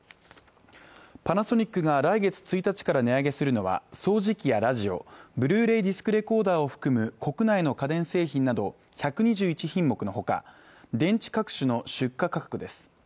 パナソニックが来月１日から値上げするのは掃除機やラジオブルーレイディスクレコーダーを含む国内の家電製品など１２１品目のほか電池各種の出荷価格です